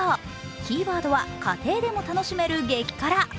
キーワードは家庭でも楽しめる激辛。